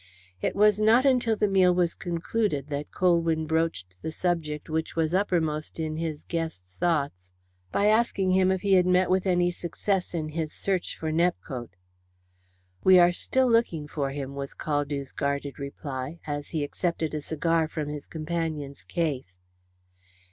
It was not until the meal was concluded that Colwyn broached the subject which was uppermost in his guest's thoughts by asking him if he had met with any success in his search for Nepcote. "We are still looking for him," was Caldew's guarded reply, as he accepted a cigar from his companion's case.